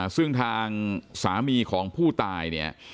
ซึ่งทางสามีของผู้ตาย